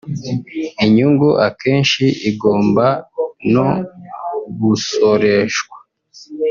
“inyungu akenshi igomba no gusoreshwa